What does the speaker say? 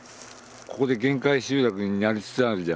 ここで限界集落になりつつあるじゃない。